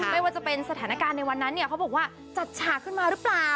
ไม่ว่าจะเป็นสถานการณ์ในวันนั้นเนี่ยเขาบอกว่าจัดฉากขึ้นมาหรือเปล่า